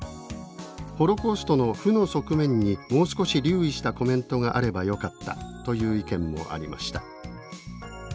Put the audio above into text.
「ホロコーストの負の側面にもう少し留意したコメントがあればよかった」という意見もありました。